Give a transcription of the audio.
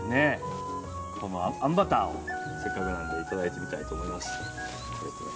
このあんバターをせっかくなのでいただいてみたいと思います。